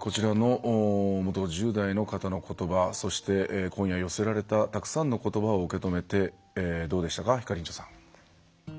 こちらの元１０代の方の言葉そして、今夜寄せられたたくさんの言葉を受け止めて、どうでしたかひかりんちょさん。